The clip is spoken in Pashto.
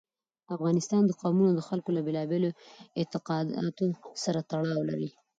افغانستان کې قومونه د خلکو له بېلابېلو اعتقاداتو سره تړاو لري.